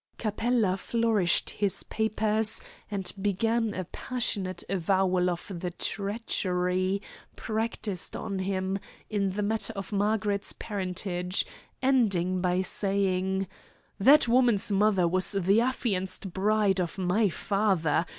Capella flourished his papers and began a passionate avowal of the "treachery" practised on him in the matter of Margaret's parentage, ending by saying: "That woman's mother was the affianced bride of my father.